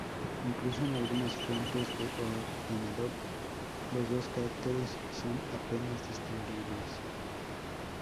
Incluso en algunas fuentes de ordenador, los dos caracteres son apenas distinguibles.